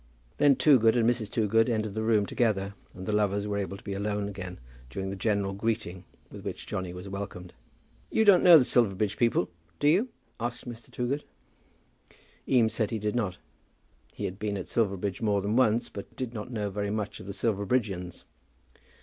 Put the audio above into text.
Then Toogood and Mrs. Toogood entered the room together, and the lovers were able to be alone again during the general greeting with which Johnny was welcomed. "You don't know the Silverbridge people, do you?" asked Mr. Toogood. Eames said that he did not. He had been at Silverbridge more than once, but did not know very much of the Silverbridgians.